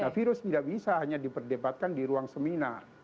virus tidak bisa hanya diperdebatkan di ruang seminar